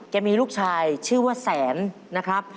มีลูกชายชื่อว่าแสนนะครับ